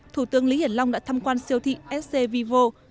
thủ tướng lý hiển long đã thăm quan siêu thị sc vivo